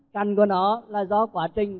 cằn của nó là do quá trình